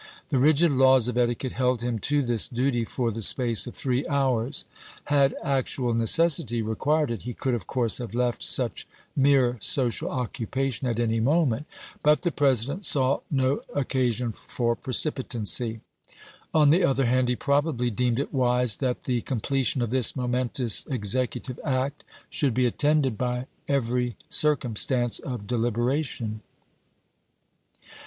The rigid laws of etiquette held him to this duty for the space of three hours. Had actual necessity required it, he could of course have left such mere social occupation at any moment; but the Presi dent saw no occasion for precipitancy. On the other hand, he probably deemed it wise that the completion of this momentous executive act should be attended by every circumstance of deliberation.